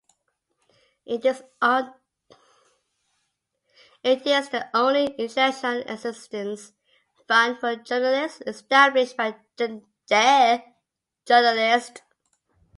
It is the only international assistance fund for journalists established by journalists.